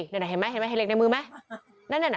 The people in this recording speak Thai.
เห็นไหมเห็นเหล็กในมือไหม